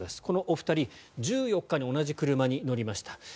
このお二人１４日に同じ車に乗りました。